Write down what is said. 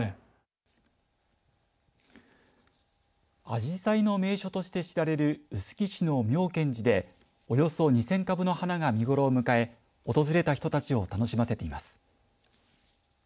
アジサイの名所として知られる臼杵市の妙顕寺でおよそ２０００株の花が見頃を迎え訪れた人たちを楽しませています。